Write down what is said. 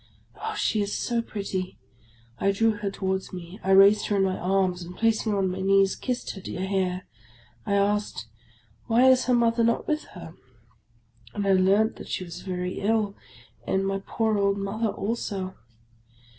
Oh, she is so pretty ! I drew her towards me ; I raised her in my arms, and placing her on my knees, kissed her dear hair. I asked, " Why is her Mother not with her? " And I learnt that she was very ill, and my poor old mother also.